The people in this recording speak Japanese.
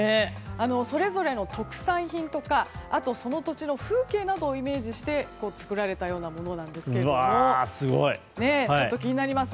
それぞれの特産品とかその土地の風景などをイメージして作られたようなものなんですが気になります。